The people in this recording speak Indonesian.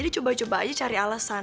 ini coba coba aja cari alasan